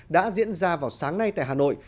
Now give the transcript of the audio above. đã diễn ra vào sáng nay tại hà nội